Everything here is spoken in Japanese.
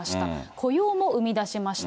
雇用も生み出しました。